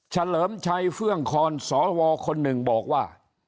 เลิมชัยเฟื่องคอนสวคนหนึ่งบอกว่า